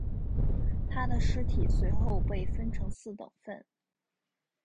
他的尸体随后被分成四等分。